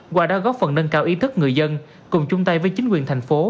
qua đó góp phần nâng cao ý thức người dân cùng chung tay với chính quyền thành phố